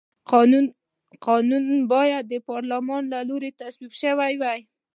قانون باید د پارلمان له لوري تصویب شوی وي.